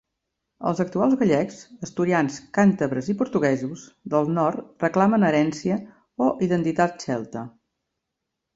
Els actuals gallecs, asturians, càntabres i portuguesos del nord reclamen herència o identitat celta.